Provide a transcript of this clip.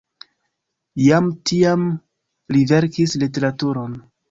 Jam tiam li verkis literaturon.